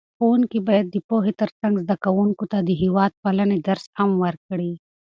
ښوونکي باید د پوهې ترڅنګ زده کوونکو ته د هېوادپالنې درس هم ورکړي.